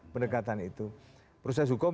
pendekatan itu proses hukum